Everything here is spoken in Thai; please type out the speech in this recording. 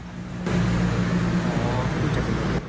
อ๋อคุณจะเป็นคุณ